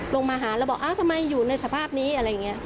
ลงมาหาแล้วบอกเอ้าทำไมอยู่ในสภาพนี้อะไรอย่างนี้